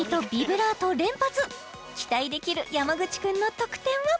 期待できる山口君の得点は？